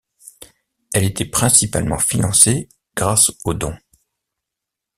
Elle était principalement financée grâce aux dons.